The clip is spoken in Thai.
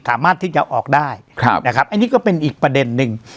สามารถที่จะออกได้ครับนะครับอันนี้ก็เป็นอีกประเด็นหนึ่ง